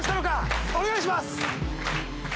お願いします！